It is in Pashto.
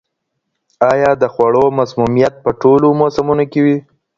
آیا د خوړو مسمومیت په ټولو موسمونو کې وي؟